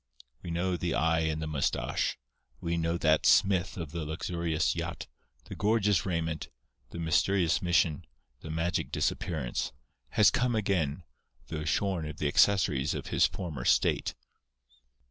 We know the eye and the moustache; we know that Smith of the luxurious yacht, the gorgeous raiment, the mysterious mission, the magic disappearance, has come again, though shorn of the accessories of his former state.